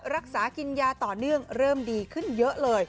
รักษากินยาต่อเนื่องเริ่มดีขึ้นเยอะเลย